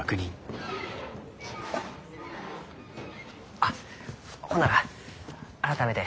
あほんなら改めて。